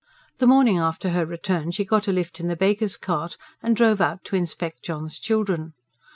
The morning after her return, she got a lift in the baker's cart and drove out to inspect John's children.